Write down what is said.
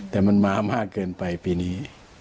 แต่มันมามากเกินไปปีนี้